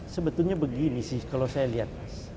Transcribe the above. sebetulnya begini sih kalau saya lihat mas